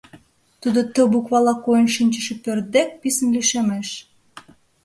Тудо «Т» буквала койын шинчыше пӧрт дек писын лишемеш.